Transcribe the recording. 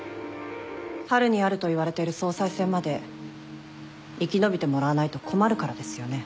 春にあるといわれてる総裁選まで生き延びてもらわないと困るからですよね？